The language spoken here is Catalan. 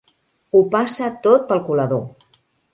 Ho passa tot pel colador.